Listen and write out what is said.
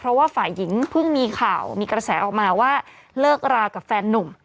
เพราะว่าฝ่ายหญิงเพิ่งมีข่าวมีกระแสออกมาว่าเลิกรากับแฟนนุ่ม